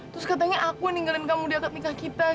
terus katanya aku ninggalin kamu di akad nikah kita